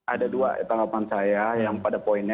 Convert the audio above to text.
ada dua tanggapan saya yang pada poinnya